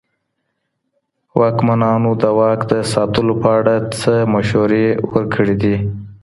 واکمنانو د واک د ساتلو په اړه څه مسورې ورکړي دي؟